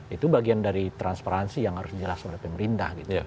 itu bagian dari transparansi yang harus dijelas oleh pemerintah